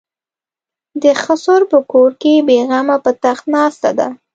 د خسر په کور کې بې غمه په تخت ناسته ده.